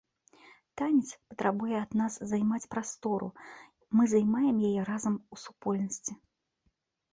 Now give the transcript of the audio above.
Танец патрабуе ад нас займаць прастору, мы займаем яе разам, у супольнасці.